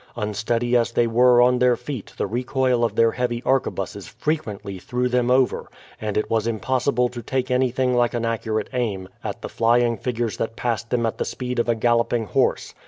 Unsteady as they were on their feet the recoil of their heavy arquebuses frequently threw them over, and it was impossible to take anything like an accurate aim at the flying figures that passed them at the speed of a galloping horse.